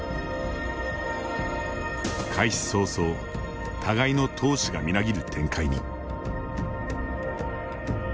開始早々互いの闘志がみなぎる展開に。